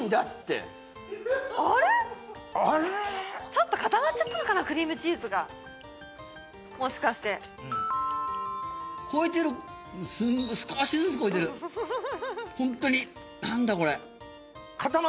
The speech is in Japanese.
ちょっと固まっちゃったのかなクリームチーズがもしかして越えてる少しずつ越えてるホントに何だこれ？